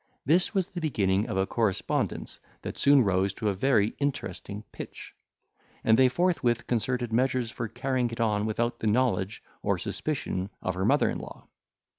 This was the beginning of a correspondence that soon rose to a very interesting pitch; and they forthwith concerted measures for carrying it on without the knowledge or suspicion of her mother in law.